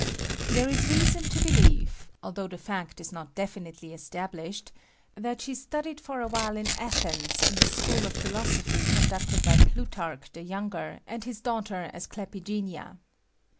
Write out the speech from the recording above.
There is reason to believe although the fact is not definitely established that she studied for a while in Athens in the school of philosophy conducted by Plutarch the Younger and his daughter Asclepigenia.